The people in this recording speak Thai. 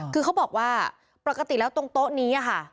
คือเขาบอกว่าปกติแล้วตรงโต๊ะนี้ค่ะ